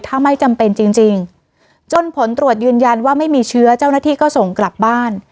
ถ้าไม่จำเป็นจริงจนผลตรวจยืนยันว่าไม่มีเชื้อเจ้าหน้าที่ก็ส่งกลับบ้าน